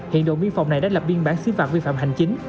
hiện đồn biên phòng này đã lập biên bản xứ phạt vi phạm hành chính